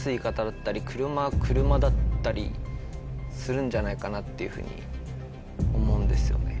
車は車だったりするんじゃないかなっていうふうに思うんですよね。